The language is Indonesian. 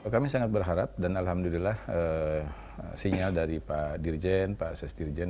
kami sangat berharap dan alhamdulillah sinyal dari pak dirjen pak sesdirjen